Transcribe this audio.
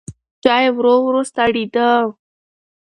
چای ورو ورو سړېده.